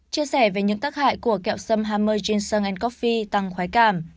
chia sẻ về những tác hại của kẹo sâm hammer gin sand coffee tăng khoái cảm